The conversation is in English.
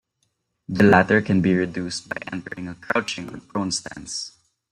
The latter can be reduced by entering a crouching or prone stance.